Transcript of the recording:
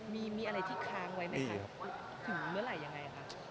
มีอะไรที่ค้างไว้ไหมคะถึงเมื่อไหร่ยังไงคะ